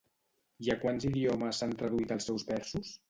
I a quants idiomes s'han traduït els seus versos?